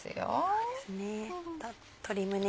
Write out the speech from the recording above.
そうですね。